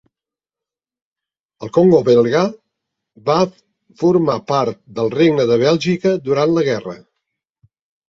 El Congo Belga va formar part del Regne de Bèlgica durant la guerra.